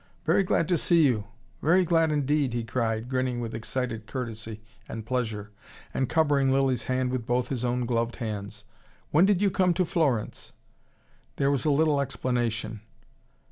"Very glad to see you very glad, indeed!" he cried, grinning with excited courtesy and pleasure, and covering Lilly's hand with both his own gloved hands. "When did you come to Florence?" There was a little explanation.